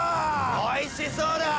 おいしそうだ！